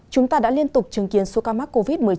chúng ta đã liên tục chứng kiến số ca mắc covid một mươi chín